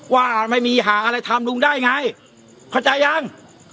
ว่าไม่มีหาอะไรทำลุงได้ไงเข้าใจยัง